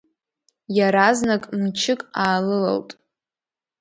Иаразнак мчык аалылалт.